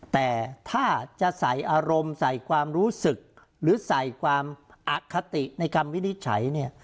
แต่ถ้าจะใส่อารมณ์ใส่ความรู้สึกหรือใส่ความอคติในคำวินิจฉัยเนี่ย